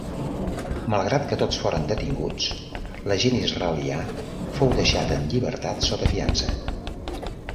Malgrat que tots foren detinguts, l'agent israelià fou deixat en llibertat sota fiança.